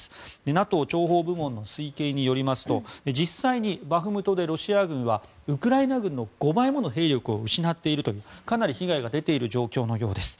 ＮＡＴＯ諜報部門の推計によりますと実際にバフムトでロシア軍はウクライナ軍の５倍もの兵力を失っているというかなり被害が出ている状況のようです。